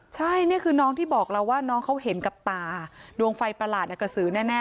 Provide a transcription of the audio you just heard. ใช่นี่คือน้องที่บอกเราว่าน้องเขาเห็นกับตาดวงไฟประหลาดกระสือแน่